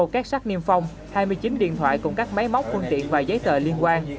một kết sắt niêm phong hai mươi chín điện thoại cùng các máy móc phương tiện và giấy tờ liên quan